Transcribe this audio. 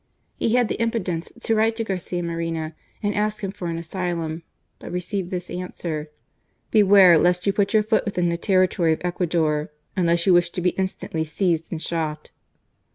He had the impudence then to write to Garcia Moreno and ask him for an asylum ; but received this answer :Beware lest you put your foot within the territory of Ecuador, unless you wish to be instantly seized and shot."